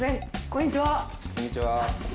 こんにちは。